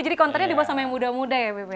jadi kontennya dibawa sama yang muda muda ya bip ya